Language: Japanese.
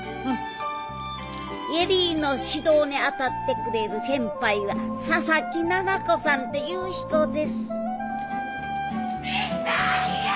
恵里の指導に当たってくれる先輩は佐々木奈々子さんっていう人です痛いよ！